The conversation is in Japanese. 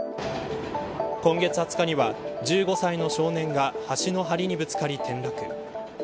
今月２０日には、１５歳の少年が橋のはりにぶつかり転落。